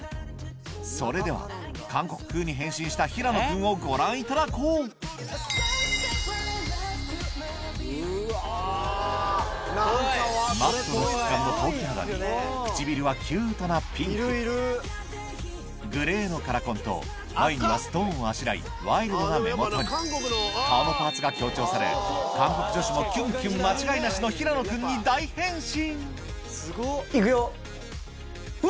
それでは韓国風に変身した平野君をご覧いただこうマットな質感の陶器肌に唇はキュートなピンクグレーのカラコンと眉にはストーンをあしらいワイルドな目元に顔のパーツが強調され韓国女子もキュンキュン間違いなしの平野君に大変身いくよ。